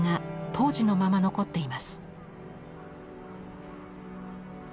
当時のまま残っています。